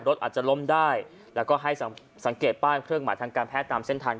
รถอาจจะล้มได้แล้วก็ให้สังเกตป้ายเครื่องหมายทางการแพทย์ตามเส้นทาง